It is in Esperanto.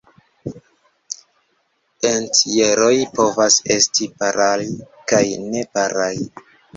Entjeroj povas esti paraj kaj neparaj.